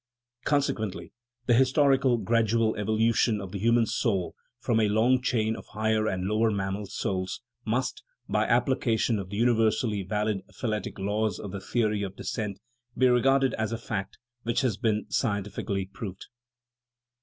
Consequently, the historical, gradual evolution of the human soul from a long chain of higher and lower mammal souls must, by application of the uni versally valid phyletic laws of the theory of descent, be regarded as a fact which has been scientifically proved.